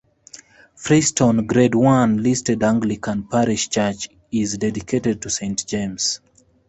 Freiston Grade One listed Anglican parish church is dedicated to Saint James.